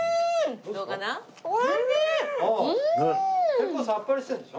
結構さっぱりしてるでしょ？